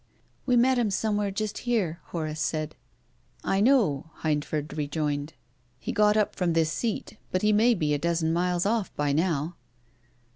" We met him somewhere just here," Horace said. 358 TONGUES OF CONSCIENCE. "I know," Hindford rejoined. "He got up from this seat. But he may be a dozen miles off by now."